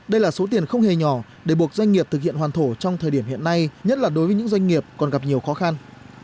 đây là số tiền không hề nhỏ để buộc doanh nghiệp thực hiện hoàn thổ trong thời điểm hiện nay nhất là đối với những doanh nghiệp còn gặp nhiều khó khăn